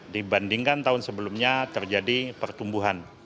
dibandingkan tahun sebelumnya terjadi pertumbuhan